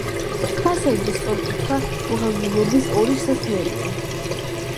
ფასადზე სწორკუთხა მოხაზულობის ორი შესასვლელია.